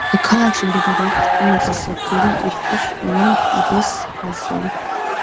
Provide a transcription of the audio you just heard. ქალაქში მდებარეობს რკინიგზის სადგური ირკუტსკ—ულან-უდეს ხაზზე.